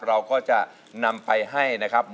เราก็จะนำไปให้นะครับ